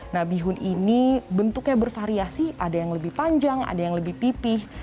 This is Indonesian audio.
nah bihun ini bentuknya bervariasi ada yang lebih panjang ada yang lebih pipih